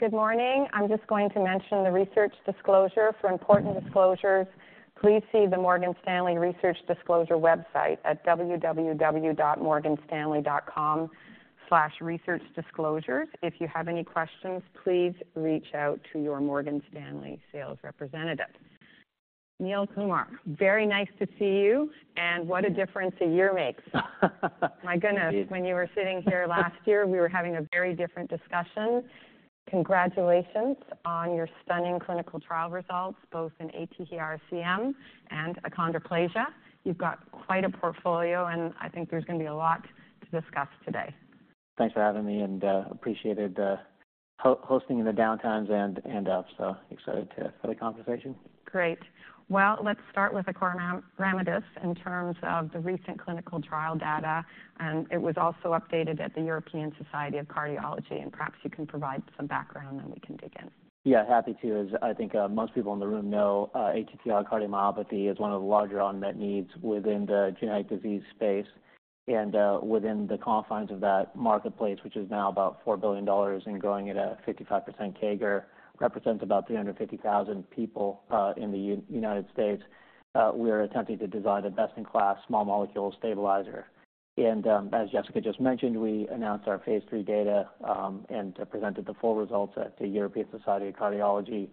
Good morning. I'm just going to mention the research disclosure. For important disclosures, please see the Morgan Stanley Research Disclosure website at www.morganstanley.com/researchdisclosures. If you have any questions, please reach out to your Morgan Stanley sales representative. Neil Kumar, very nice to see you, and what a difference a year makes. My goodness, when you were sitting here last year, we were having a very different discussion. Congratulations on your stunning clinical trial results, both in ATTR-CM and achondroplasia. You've got quite a portfolio, and I think there's going to be a lot to discuss today. Thanks for having me, and appreciated hosting in the downtimes and ups, so excited to have the conversation. Great. Well, let's start with the acoramidis in terms of the recent clinical trial data, and it was also updated at the European Society of Cardiology, and perhaps you can provide some background, and we can dig in. Yeah, happy to. As I think most people in the room know, ATTR cardiomyopathy is one of the larger unmet needs within the genetic disease space and, within the confines of that marketplace, which is now about $4 billion and growing at a 55% CAGR, represents about 350,000 people in the United States. We are attempting to design a best-in-class small molecule stabilizer. As Jessica just mentioned, we announced our phase 3 data and presented the full results at the European Society of Cardiology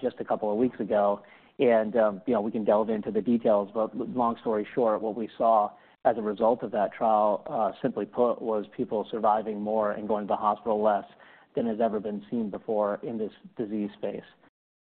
just a couple of weeks ago. You know, we can delve into the details, but long story short, what we saw as a result of that trial, simply put, was people surviving more and going to the hospital less than has ever been seen before in this disease space.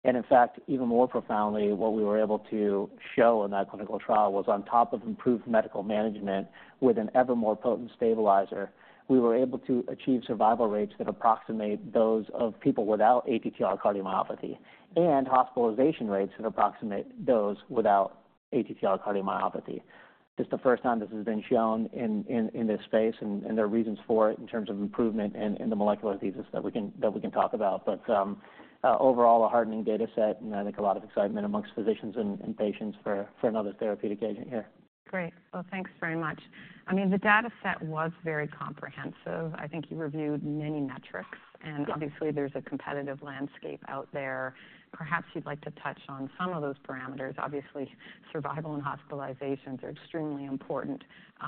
And in fact, even more profoundly, what we were able to show in that clinical trial was on top of improved medical management with an ever more potent stabilizer, we were able to achieve survival rates that approximate those of people without ATTR cardiomyopathy and hospitalization rates that approximate those without ATTR cardiomyopathy. It's the first time this has been shown in this space, and there are reasons for it in terms of improvement in the molecular thesis that we can talk about. But overall, a heartening data set, and I think a lot of excitement among physicians and patients for another therapeutic agent here. Great. Well, thanks very much. I mean, the data set was very comprehensive. I think you reviewed many metrics, and obviously there's a competitive landscape out there. Perhaps you'd like to touch on some of those parameters. Obviously, survival and hospitalizations are extremely important,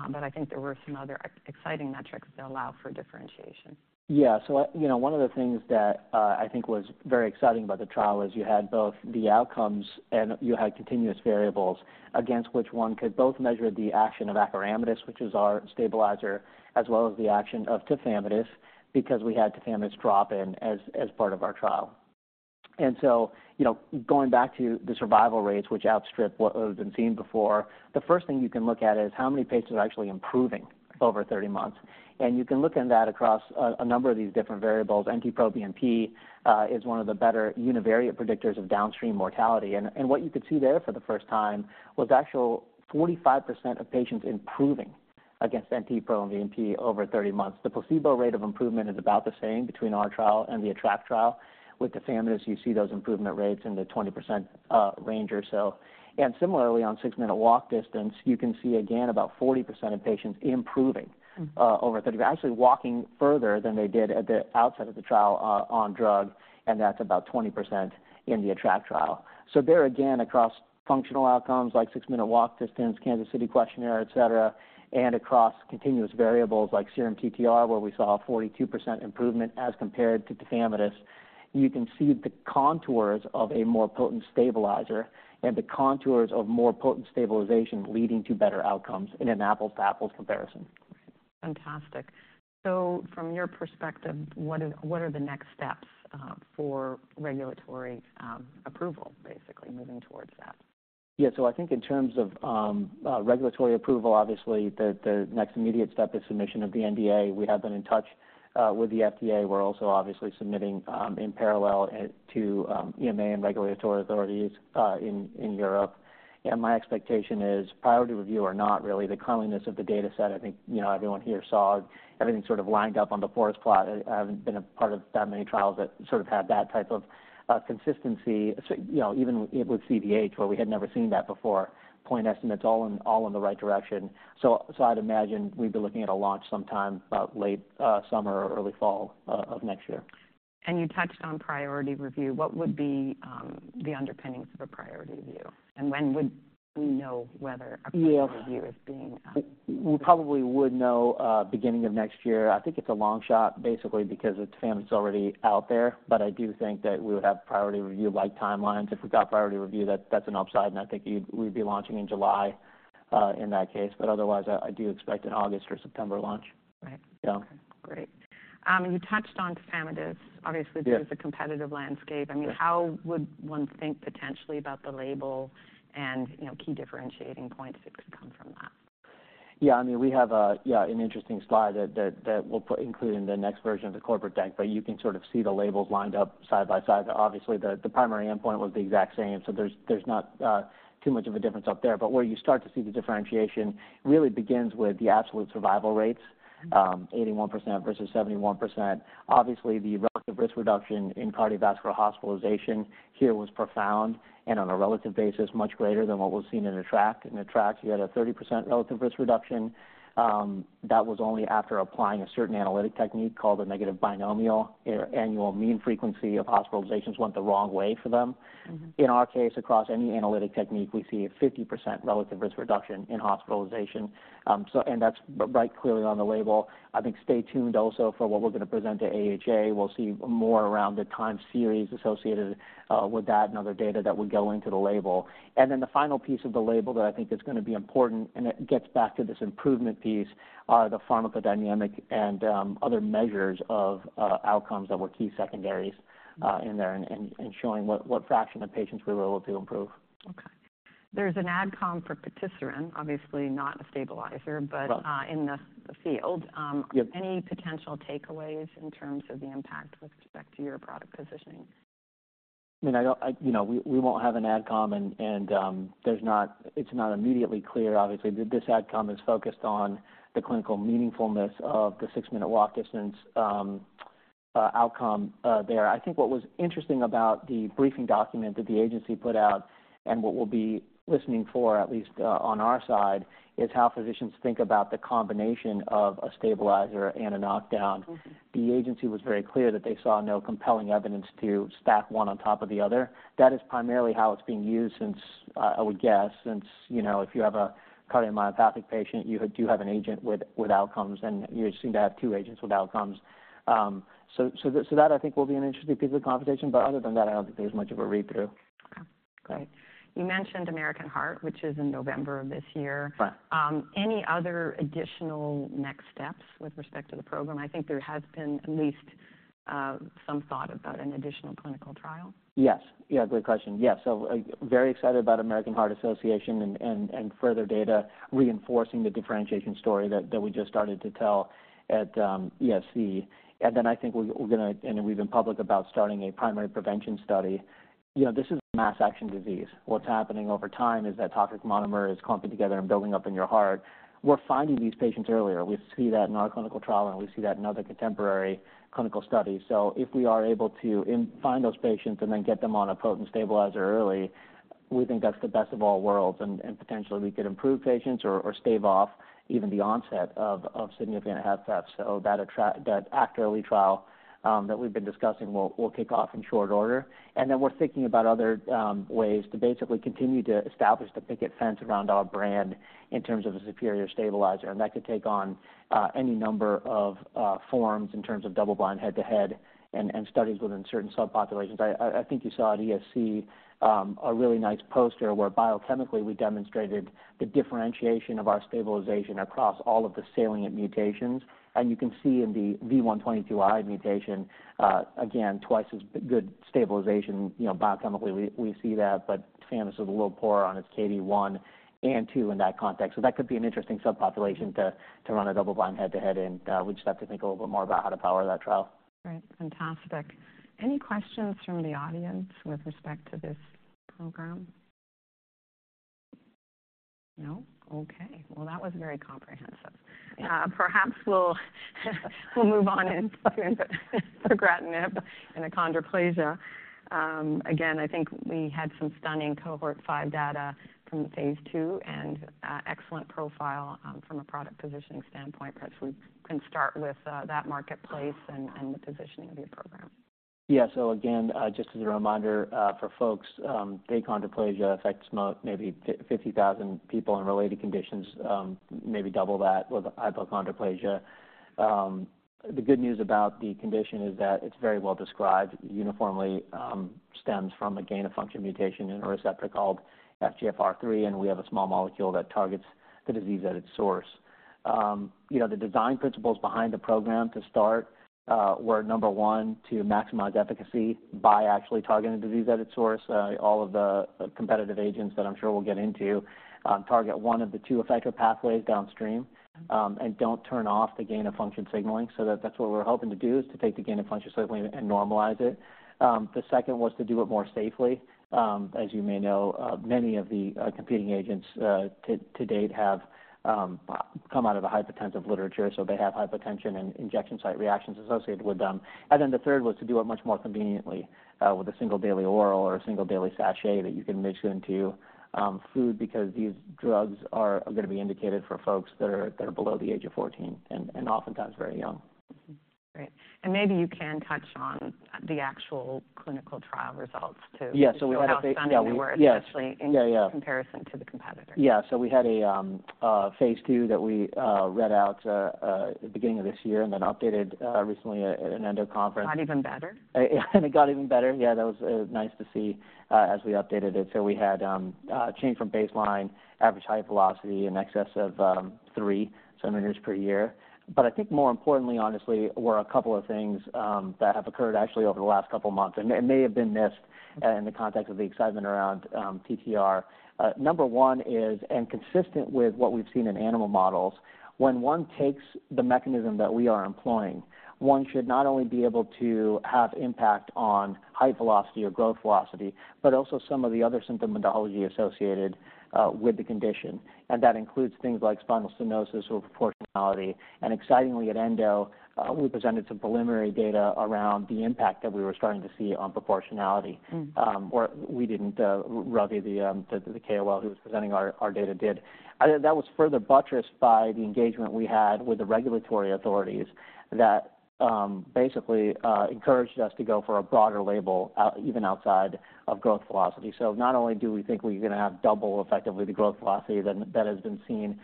but I think there were some other exciting metrics that allow for differentiation. Yeah. So, you know, one of the things that I think was very exciting about the trial is you had both the outcomes, and you had continuous variables against which one could both measure the action of acoramidis, which is our stabilizer, as well as the action of tafamidis, because we had tafamidis drop in as part of our trial. And so, you know, going back to the survival rates, which outstrip what has been seen before, the first thing you can look at is how many patients are actually improving over 30 months. And you can look in that across a number of these different variables. NT-proBNP is one of the better univariate predictors of downstream mortality. And what you could see there for the first time was actual 45% of patients improving against NT-proBNP over 30 months. The placebo rate of improvement is about the same between our trial and the ATTRACT trial. With tafamidis, you see those improvement rates in the 20% range or so. And similarly, on six-minute walk distance, you can see again about 40% of patients improving- Mm-hmm. Over 30, actually walking further than they did at the outset of the trial, on drug, and that's about 20% in the ATTRACT trial. So there again, across functional outcomes like six-minute walk distance, Kansas City Questionnaire, et cetera, and across continuous variables like serum TTR, where we saw a 42% improvement as compared to tafamidis, you can see the contours of a more potent stabilizer and the contours of more potent stabilization leading to better outcomes in an apples-to-apples comparison. Fantastic. So from your perspective, what are the next steps for regulatory approval, basically, moving towards that? Yeah. So I think in terms of regulatory approval, obviously the next immediate step is submission of the NDA. We have been in touch with the FDA. We're also obviously submitting in parallel to EMA and regulatory authorities in Europe. And my expectation is priority review or not, really the cleanliness of the data set. I think, you know, everyone here saw everything sort of lined up on the forest plot. I haven't been a part of that many trials that sort of had that type of consistency. So, you know, even with CAH, where we had never seen that before, point estimates all in the right direction. So I'd imagine we'd be looking at a launch sometime about late summer or early fall of next year. You touched on priority review. What would be the underpinnings of a priority review, and when would we know whether- Yeah. A priority review is being? We probably would know beginning of next year. I think it's a long shot, basically because tafamidis is already out there, but I do think that we would have priority review-like timelines. If we got priority review, that's an upside, and I think you'd—we'd be launching in July in that case, but otherwise, I do expect an August or September launch. Right. Yeah. Great. You touched on tafamidis. Yeah. Obviously, there's a competitive landscape. Yeah. I mean, how would one think potentially about the label and, you know, key differentiating points that could come from that?... Yeah, I mean, we have a, yeah, an interesting slide that we'll include in the next version of the corporate deck, but you can sort of see the labels lined up side by side. Obviously, the primary endpoint was the exact same, so there's not too much of a difference up there. But where you start to see the differentiation really begins with the absolute survival rates, 81% versus 71%. Obviously, the relative risk reduction in cardiovascular hospitalization here was profound and on a relative basis, much greater than what was seen in ATTRACT. In ATTRACT, you had a 30% relative risk reduction. That was only after applying a certain analytic technique called a negative binomial. Their annual mean frequency of hospitalizations went the wrong way for them. Mm-hmm. In our case, across any analytic technique, we see a 50% relative risk reduction in hospitalization. So and that's right clearly on the label. I think stay tuned also for what we're gonna present to AHA. We'll see more around the time series associated with that and other data that would go into the label. And then the final piece of the label that I think is gonna be important, and it gets back to this improvement piece, are the pharmacodynamic and other measures of outcomes that were key secondaries in there and showing what fraction of patients we were able to improve. Okay. There's an ad com for patisiran, obviously not a stabilizer- Right. But, in the field. Yep. Any potential takeaways in terms of the impact with respect to your product positioning? I mean, I don't. You know, we won't have an adcom, and it's not immediately clear. Obviously, this adcom is focused on the clinical meaningfulness of the six-minute walk distance outcome there. I think what was interesting about the briefing document that the agency put out and what we'll be listening for, at least on our side, is how physicians think about the combination of a stabilizer and a knockdown. Mm-hmm. The agency was very clear that they saw no compelling evidence to stack one on top of the other. That is primarily how it's being used since, I would guess, since, you know, if you have a cardiomyopathy patient, you do have an agent with, with outcomes, and you seem to have two agents with outcomes. So, so that, I think, will be an interesting piece of the conversation, but other than that, I don't think there's much of a read-through. Okay, great. You mentioned American Heart, which is in November of this year. Right. Any other additional next steps with respect to the program? I think there has been at least, some thought about an additional clinical trial. Yes. Yeah, good question. Yes, so very excited about American Heart Association and further data reinforcing the differentiation story that we just started to tell at ESC. And then I think we're gonna, and we've been public about starting a primary prevention study. You know, this is a mass action disease. What's happening over time is that toxic monomer is clumping together and building up in your heart. We're finding these patients earlier. We see that in our clinical trial, and we see that in other contemporary clinical studies. So if we are able to find those patients and then get them on a potent stabilizer early, we think that's the best of all worlds, and potentially we could improve patients or stave off even the onset of significant HFpEF. So that ATTR, that ATTR-ACT early trial that we've been discussing will kick off in short order. And then we're thinking about other ways to basically continue to establish the picket fence around our brand in terms of a superior stabilizer. And that could take on any number of forms in terms of double-blind, head-to-head and studies within certain subpopulations. I think you saw at ESC a really nice poster where biochemically we demonstrated the differentiation of our stabilization across all of the salient mutations. And you can see in the V122I mutation, again, twice as good stabilization. You know, biochemically we see that, but tafamidis is a little poorer on its KD 1 and 2 in that context. So that could be an interesting subpopulation to run a double-blind, head-to-head, and we just have to think a little bit more about how to power that trial. Great. Fantastic. Any questions from the audience with respect to this program? No? Okay. Well, that was very comprehensive. Yeah. Perhaps we'll move on and plug into the infigratinib and achondroplasia. Again, I think we had some stunning cohort five data from phase II and excellent profile from a product positioning standpoint. Perhaps we can start with that marketplace and the positioning of your program. Yeah. So again, just as a reminder, for folks, achondroplasia affects about maybe 50,000 people in related conditions, maybe double that with hypochondroplasia. The good news about the condition is that it's very well described. Uniformly, stems from a gain-of-function mutation in a receptor called FGFR3, and we have a small molecule that targets the disease at its source. You know, the design principles behind the program to start were, number one, to maximize efficacy by actually targeting the disease at its source. All of the competitive agents that I'm sure we'll get into target one of the two effector pathways downstream, and don't turn off the gain-of-function signaling. So that's what we're hoping to do, is to take the gain-of-function signaling and normalize it. The second was to do it more safely. As you may know, many of the competing agents to date have come out of the hypotensive literature, so they have hypotension and injection site reactions associated with them. And then the third was to do it much more conveniently, with a single daily oral or a single daily sachet that you can mix into food, because these drugs are gonna be indicated for folks that are below the age of 14 and oftentimes very young. Great. And maybe you can touch on the actual clinical trial results, too. Yeah, so we had a- How stunning they were. Yeah. -especially in- Yeah, yeah... comparison to the competitor. Yeah, so we had a phase 2 that we read out at the beginning of this year and then updated recently at an Endo conference. Got even better? Yeah, and it got even better. Yeah, that was nice to see as we updated it. So we had change from baseline, average height velocity in excess of 3 centimeters per year. But I think more importantly, honestly, were a couple of things that have occurred actually over the last couple of months, and may have been missed in the context of the excitement around TTR. Number one is, and consistent with what we've seen in animal models, when one takes the mechanism that we are employing, one should not only be able to have impact on height velocity or growth velocity, but also some of the other symptomatology associated with the condition. And that includes things like spinal stenosis or proportionality. And excitingly, at Endo, we presented some preliminary data around the impact that we were starting to see on proportionality. Or we didn't; rather the KOL who was presenting our data did. That was further buttressed by the engagement we had with the regulatory authorities that basically encouraged us to go for a broader label out, even outside of growth velocity. So not only do we think we're gonna have double effectively the growth velocity than that has been seen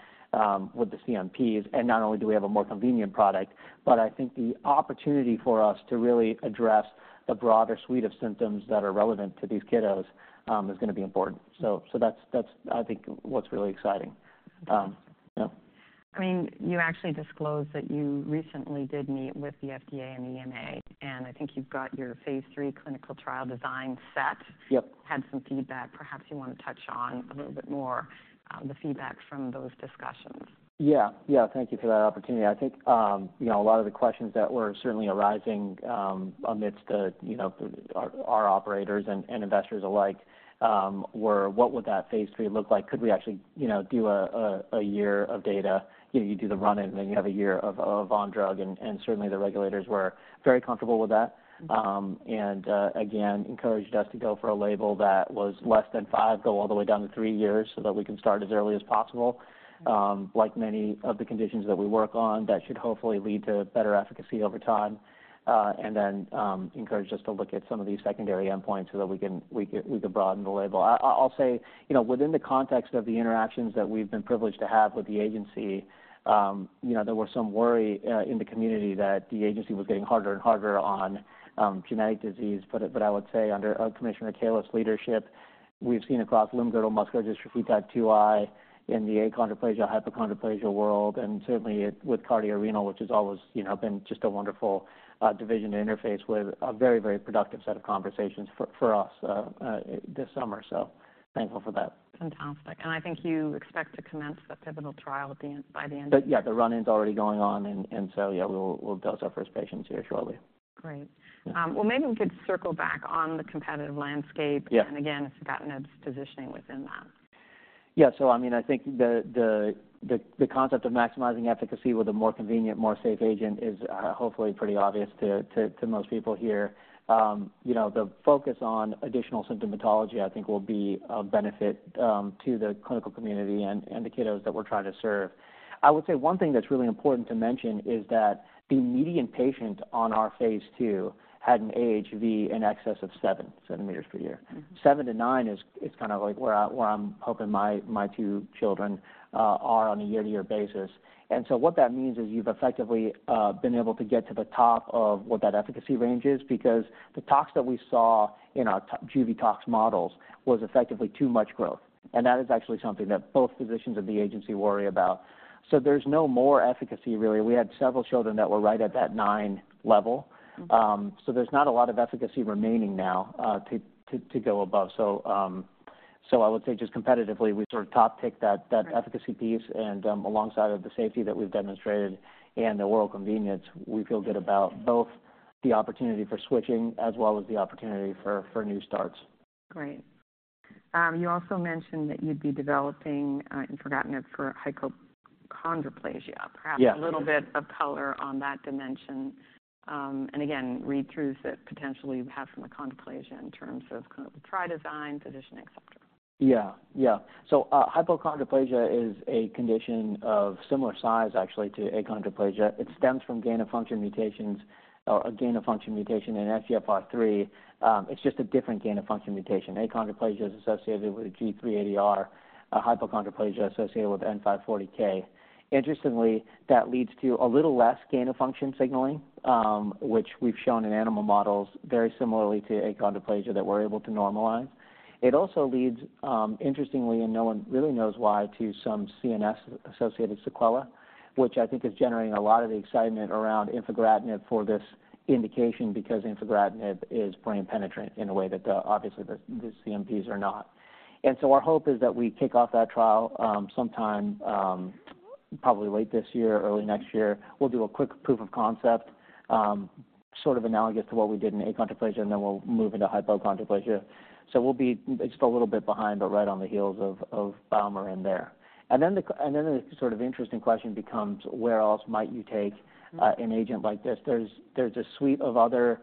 with the CNPs, and not only do we have a more convenient product, but I think the opportunity for us to really address a broader suite of symptoms that are relevant to these kiddos is gonna be important. So that's, I think, what's really exciting. Yeah. I mean, you actually disclosed that you recently did meet with the FDA and EMA, and I think you've got your phase 3 clinical trial design set. Yep. Had some feedback. Perhaps you wanna touch on a little bit more, the feedback from those discussions. Yeah. Yeah, thank you for that opportunity. I think, you know, a lot of the questions that were certainly arising amidst the, you know, our operators and investors alike, were: What would that phase 3 look like? Could we actually, you know, do a year of data? You know, you do the run-in, and then you have a year of on drug, and certainly the regulators were very comfortable with that. And again, encouraged us to go for a label that was less than five, go all the way down to three years, so that we can start as early as possible. Like many of the conditions that we work on, that should hopefully lead to better efficacy over time, and then encouraged us to look at some of these secondary endpoints so that we could broaden the label. I'll say, you know, within the context of the interactions that we've been privileged to have with the agency, you know, there were some worry in the community that the agency was getting harder and harder on genetic disease. But I would say under Commissioner Califf's leadership, we've seen across limb-girdle muscular dystrophy type 2I, in the achondroplasia, hypochondroplasia world, and certainly with cardiorenal, which has always, you know, been just a wonderful division to interface with, a very, very productive set of conversations for us this summer, so thankful for that. Fantastic. And I think you expect to commence the pivotal trial at the end, by the end of- But yeah, the run-in's already going on, so yeah, we'll dose our first patients here shortly. Great. Yeah. Well, maybe we could circle back on the competitive landscape. Yeah. -and again, infigratinib's positioning within that. Yeah. So I mean, I think the concept of maximizing efficacy with a more convenient, more safe agent is, hopefully pretty obvious to most people here. You know, the focus on additional symptomatology, I think, will be of benefit to the clinical community and the kiddos that we're trying to serve. I would say one thing that's really important to mention is that the median patient on our phase 2 had an AHV in excess of 7 cm per year. Mm-hmm. Seven-nine is kind of like where I'm hoping my two children are on a year-to-year basis. So what that means is you've effectively been able to get to the top of what that efficacy range is, because the tox that we saw in our juvenile tox models was effectively too much growth. And that is actually something that both physicians and the agency worry about. So there's no more efficacy, really. We had several children that were right at that nine level. Mm-hmm. So there's not a lot of efficacy remaining now, to go above. So, I would say just competitively, we sort of top-tick that, Right... efficacy piece, and, alongside of the safety that we've demonstrated and the oral convenience, we feel good about both the opportunity for switching as well as the opportunity for new starts. Great. You also mentioned that you'd be developing infigratinib for hypochondroplasia. Yeah. Perhaps a little bit of color on that dimension. And again, read through that potentially you have from achondroplasia in terms of kind of the trial design, positioning, et cetera. Yeah, yeah. So, hypochondroplasia is a condition of similar size, actually, to achondroplasia. It stems from gain-of-function mutations, or a gain-of-function mutation in FGFR3. It's just a different gain-of-function mutation. Achondroplasia is associated with G380R. Hypochondroplasia is associated with N540K. Interestingly, that leads to a little less gain-of-function signaling, which we've shown in animal models very similarly to achondroplasia, that we're able to normalize. It also leads, interestingly, and no one really knows why, to some CNS-associated sequela, which I think is generating a lot of the excitement around infigratinib for this indication, because infigratinib is brain penetrant in a way that, obviously, the, the CNP's are not. And so our hope is that we kick off that trial, sometime, probably late this year, early next year. We'll do a quick proof of concept, sort of analogous to what we did in achondroplasia, and then we'll move into hypochondroplasia. So we'll be just a little bit behind, but right on the heels of BioMarin in there. And then the sort of interesting question becomes: Where else might you take- Mm-hmm... an agent like this? There's a suite of other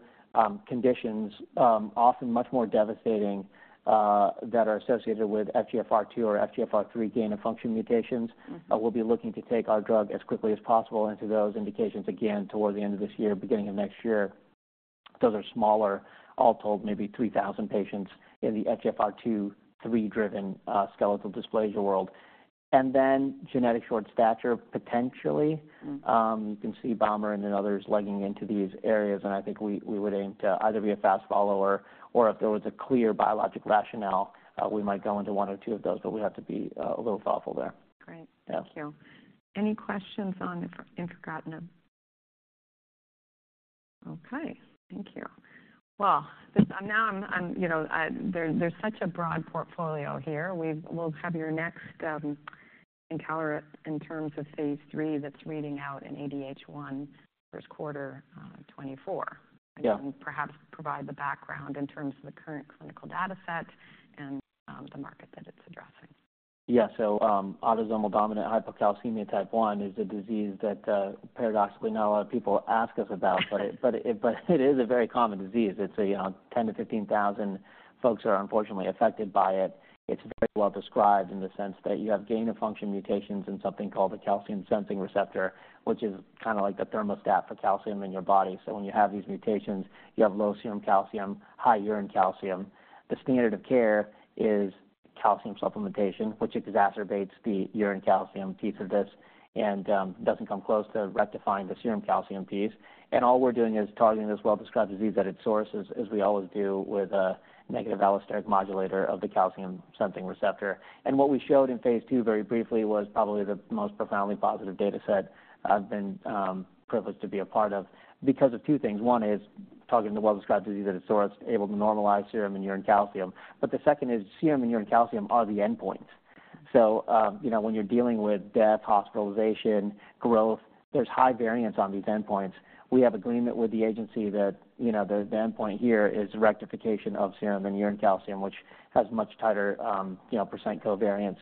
conditions, often much more devastating, that are associated with FGFR2 or FGFR3 gain-of-function mutations. Mm-hmm. We'll be looking to take our drug as quickly as possible into those indications again toward the end of this year, beginning of next year. Those are smaller, all told, maybe 3,000 patients in the FGFR2/3-driven skeletal dysplasia world. And then genetic short stature, potentially. Mm. You can see BioMarin and then others leading into these areas, and I think we would aim to either be a fast follower, or if there was a clear biologic rationale, we might go into one or two of those, but we have to be a little thoughtful there. Great. Yeah. Thank you. Any questions on infigratinib?... Okay, thank you. Well, this, now I'm, you know, I, there's such a broad portfolio here. We'll have your next encounter in terms of phase III that's reading out in ADH1 first quarter 2024. Yeah. Perhaps provide the background in terms of the current clinical data set and the market that it's addressing. Yeah. So, autosomal dominant hypocalcemia type 1 is a disease that, paradoxically, not a lot of people ask us about, but it is a very common disease. It's a, you know, 10,000-15,000 folks are unfortunately affected by it. It's very well described in the sense that you have gain-of-function mutations in something called the calcium sensing receptor, which is kind of like the thermostat for calcium in your body. So when you have these mutations, you have low serum calcium, high urine calcium. The standard of care is calcium supplementation, which exacerbates the urine calcium piece of this and doesn't come close to rectifying the serum calcium piece. And all we're doing is targeting this well-described disease at its source, as we always do with a negative allosteric modulator of the calcium sensing receptor. What we showed in phase II, very briefly, was probably the most profoundly positive data set I've been privileged to be a part of because of two things. One is targeting the well-described disease at its source, able to normalize serum and urine calcium, but the second is serum and urine calcium are the endpoints. So, you know, when you're dealing with death, hospitalization, growth, there's high variance on these endpoints. We have agreement with the agency that, you know, the endpoint here is rectification of serum and urine calcium, which has much tighter, you know, percent covariance.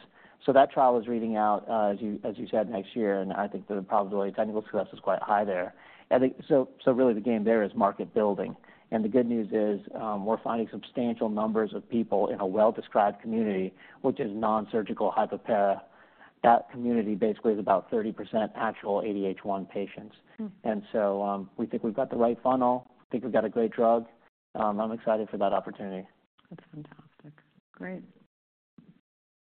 So that trial is reading out, as you, as you said, next year, and I think the probability of technical success is quite high there. I think... So, so really the game there is market building. The good news is, we're finding substantial numbers of people in a well-described community, which is nonsurgical hypoparathyroidism. That community basically is about 30% actual ADH1 patients. Hmm. And so, we think we've got the right funnel. I think we've got a great drug. I'm excited for that opportunity. That's fantastic. Great.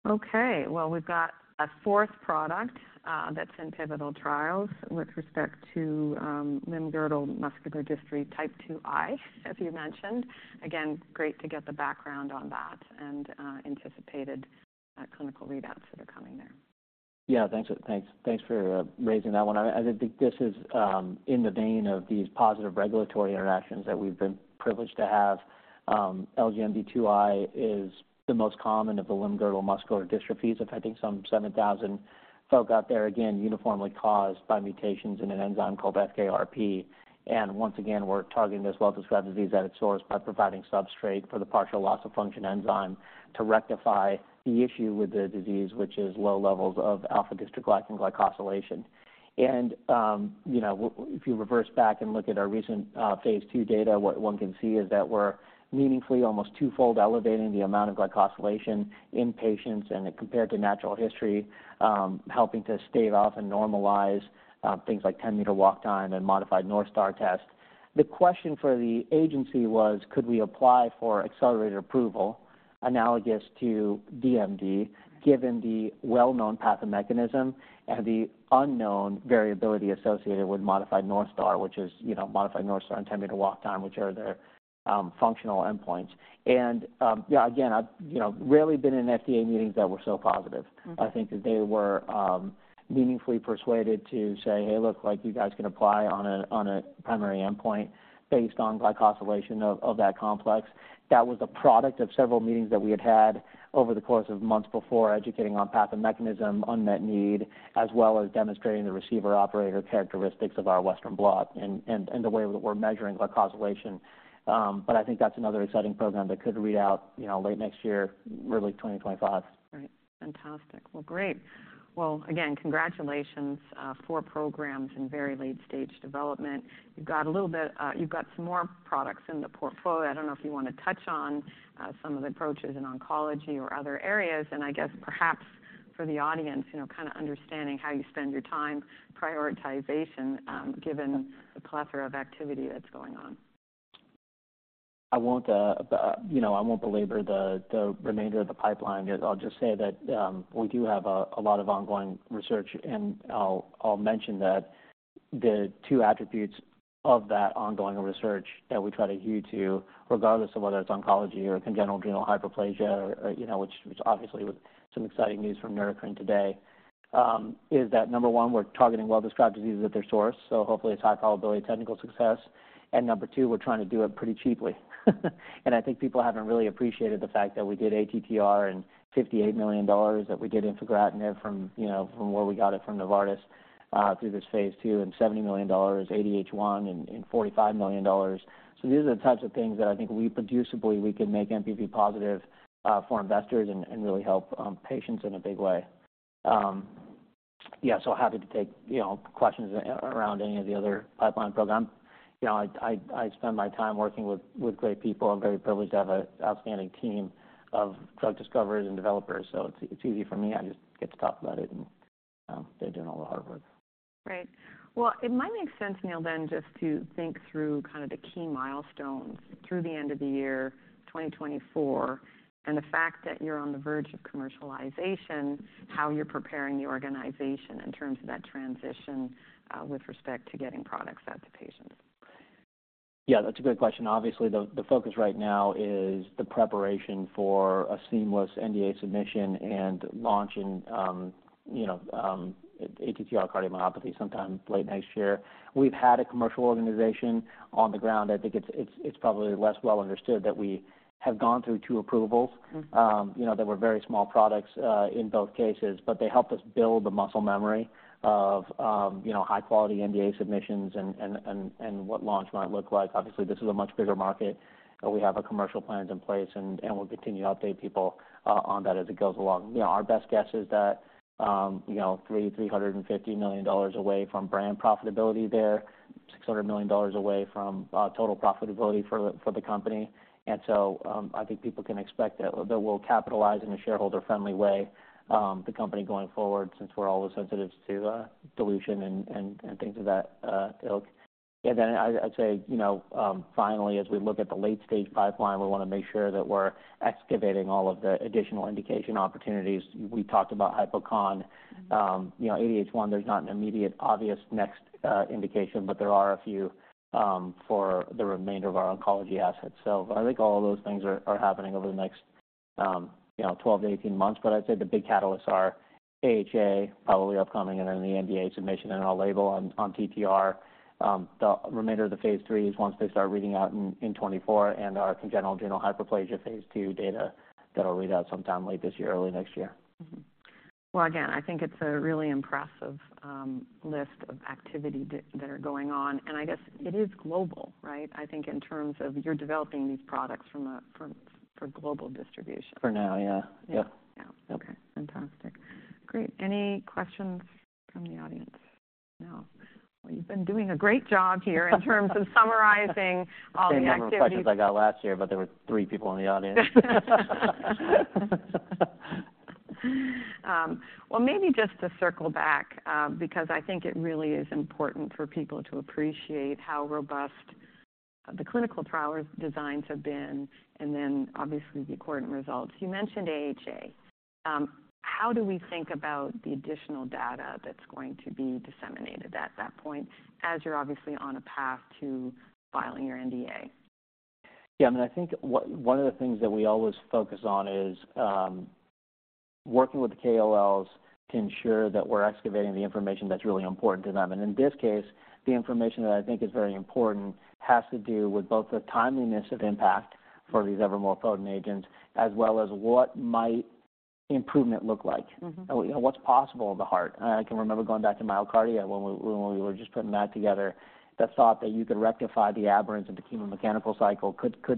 Okay, well, we've got a fourth product that's in pivotal trials with respect to limb-girdle muscular dystrophy type 2I, as you mentioned. Again, great to get the background on that and anticipated clinical readouts that are coming there. Yeah, thanks for raising that one. I think this is in the vein of these positive regulatory interactions that we've been privileged to have. LGMD2I is the most common of the limb-girdle muscular dystrophies, affecting some 7,000 folk out there, again, uniformly caused by mutations in an enzyme called FKRP. And once again, we're targeting this well-described disease at its source by providing substrate for the partial loss-of-function enzyme to rectify the issue with the disease, which is low levels of alpha-dystroglycan glycosylation. If you reverse back and look at our recent phase II data, what one can see is that we're meaningfully almost twofold elevating the amount of glycosylation in patients, and compared to natural history, helping to stave off and normalize things like 10-meter walk time and Modified North Star test. The question for the agency was, could we apply for accelerated approval analogous to DMD, given the well-known pathomechanism and the unknown variability associated with Modified North Star, which is, you know, Modified North Star and 10-meter walk time, which are the functional endpoints? Yeah, again, I've, you know, rarely been in FDA meetings that were so positive. Mm-hmm. I think that they were meaningfully persuaded to say, "Hey, look, like, you guys can apply on a primary endpoint based on glycosylation of that complex." That was a product of several meetings that we had had over the course of months before, educating on pathomechanism, unmet need, as well as demonstrating the receiver operator characteristics of our Western Blot and the way that we're measuring glycosylation. But I think that's another exciting program that could read out, you know, late next year, early 2025. Right. Fantastic. Well, great. Well, again, congratulations, four programs in very late stage development. You've got a little bit, you've got some more products in the portfolio. I don't know if you want to touch on some of the approaches in oncology or other areas, and I guess perhaps for the audience, you know, kind of understanding how you spend your time, prioritization, given the plethora of activity that's going on. I won't, you know, I won't belabor the remainder of the pipeline. I'll just say that we do have a lot of ongoing research, and I'll mention that the two attributes of that ongoing research that we try to adhere to, regardless of whether it's oncology or congenital adrenal hyperplasia, or, you know, which obviously with some exciting news from Neurocrine today, is that, number one, we're targeting well-described diseases at their source, so hopefully it's high probability of technical success. And number two, we're trying to do it pretty cheaply. And I think people haven't really appreciated the fact that we did ATTR for $58 million, that we did infigratinib from, you know, from where we got it from Novartis through this phase II for $70 million, ADH1 for $45 million. So these are the types of things that I think reproducibly we can make MPP positive for investors and really help patients in a big way. Yeah, so happy to take, you know, questions around any of the other pipeline program. You know, I spend my time working with great people. I'm very privileged to have an outstanding team of drug discoverers and developers, so it's easy for me. I just get to talk about it, and they're doing all the hard work. Great. Well, it might make sense, Neil, then, just to think through kind of the key milestones through the end of the year 2024, and the fact that you're on the verge of commercialization, how you're preparing the organization in terms of that transition, with respect to getting products out to patients. ... Yeah, that's a great question. Obviously, the focus right now is the preparation for a seamless NDA submission and launch in, you know, ATTR cardiomyopathy sometime late next year. We've had a commercial organization on the ground. I think it's probably less well understood that we have gone through two approvals. You know, they were very small products in both cases, but they helped us build the muscle memory of, you know, high-quality NDA submissions and what launch might look like. Obviously, this is a much bigger market, but we have our commercial plans in place, and we'll continue to update people on that as it goes along. You know, our best guess is that, you know, $3-$350 million away from brand profitability there, $600 million away from total profitability for the company. So, I think people can expect that we'll capitalize in a shareholder-friendly way the company going forward, since we're always sensitive to dilution and things of that ilk. Then I'd say, you know, finally, as we look at the late-stage pipeline, we wanna make sure that we're excavating all of the additional indication opportunities. We talked about HypoChondroplasia. You know, ADH1, there's not an immediate, obvious next indication, but there are a few for the remainder of our oncology assets. So I think all of those things are happening over the next, you know, 12-18 months. But I'd say the big catalysts are AHA, probably upcoming, and then the NDA submission and all label on, on TTR. The remainder of the phase 3s once they start reading out in, in 2024, and our congenital adrenal hyperplasia phase 2 data that'll read out sometime late this year, early next year. Mm-hmm. Well, again, I think it's a really impressive list of activity that are going on, and I guess it is global, right? I think in terms of you're developing these products for global distribution. For now, yeah. Yeah. Yeah. Yep. Okay, fantastic. Great. Any questions from the audience? No. Well, you've been doing a great job here in terms of summarizing all the activities. Same number of questions I got last year, but there were three people in the audience. Well, maybe just to circle back, because I think it really is important for people to appreciate how robust the clinical trial designs have been and then obviously the important results. You mentioned AHA. How do we think about the additional data that's going to be disseminated at that point, as you're obviously on a path to filing your NDA? Yeah, I mean, I think one of the things that we always focus on is working with the KOLs to ensure that we're excavating the information that's really important to them. In this case, the information that I think is very important has to do with both the timeliness of impact for these ever more potent agents, as well as what might improvement look like? Mm-hmm. You know, what's possible in the heart? I can remember going back to MyoKardia when we were just putting that together, the thought that you could rectify the aberrance of the chemo-mechanical cycle, could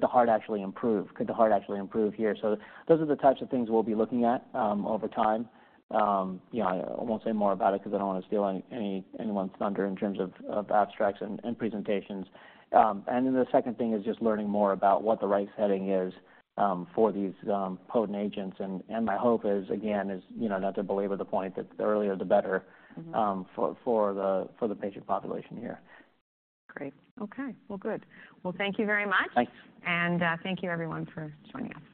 the heart actually improve? Could the heart actually improve here? So those are the types of things we'll be looking at over time. You know, I won't say more about it because I don't want to steal anyone's thunder in terms of abstracts and presentations. And then the second thing is just learning more about what the right setting is for these potent agents. And my hope is, again, you know, not to belabor the point, that the earlier, the better- Mm-hmm... for the patient population here. Great. Okay, well, good. Well, thank you very much. Thanks. Thank you, everyone, for joining us.